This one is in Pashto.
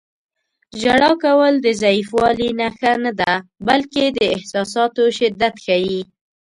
• ژړا کول د ضعیفوالي نښه نه ده، بلکې د احساساتو شدت ښيي.